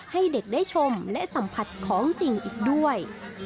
ให้เด็กได้ชมและสัมผัสของจริงอีกด้วย